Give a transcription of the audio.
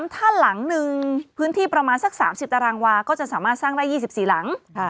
ถ้าหลังหนึ่งพื้นที่ประมาณสัก๓๐ตารางวาก็จะสามารถสร้างได้๒๔หลัง